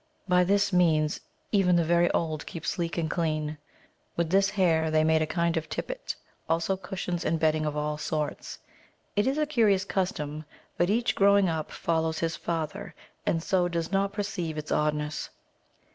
By this means even the very old keep sleek and clean. With this hair they make a kind of tippet, also cushions and bedding of all sorts. It is a curious custom, but each, growing up, follows his father, and so does not perceive its oddness.